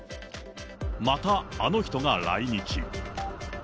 またあの人が来日。